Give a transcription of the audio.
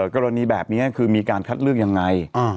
กรณีแบบนี้คือมีการคัดเลือกยังไง